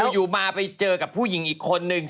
อยู่มาไปเจอกับผู้หญิงอีกคนนึง